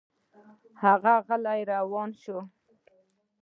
هغه غلی روان شو.